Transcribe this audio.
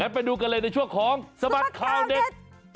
แล้วไปดูกันเลยในช่วงของสมัครคลาวเด็ด